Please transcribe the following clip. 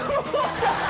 ちょっと。